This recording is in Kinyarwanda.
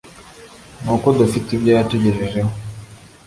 ni uko dufite ibyo yatugejejeho